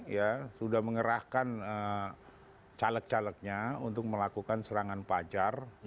ya sudah mengerahkan caleg calegnya untuk melakukan serangan pajar